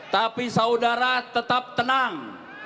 tapi saudara tetap tenang